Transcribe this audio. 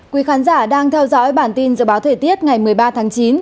quý khán giả đang theo dõi bản tin dự báo thời tiết ngày một mươi ba tháng chín